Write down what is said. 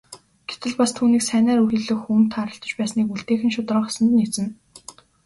Гэтэл бас түүнийг сайнаар хэлэх хүн тааралдаж байсныг үлдээх нь шударга ёсонд нийцнэ.